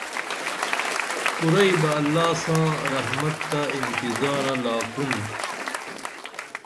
کُرئی بہ اللہ ساں رحمت تہ انتظارہ لاکُن